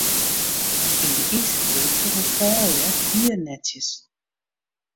Yn de Izertiid droegen froulju hiernetsjes.